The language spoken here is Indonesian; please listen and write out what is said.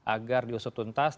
agar diusut tuntas